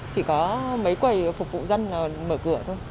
chỉ có mấy quầy phục vụ dân là mở cửa thôi